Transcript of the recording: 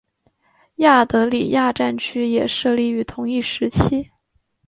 亚德里亚战区也设立于同一时期。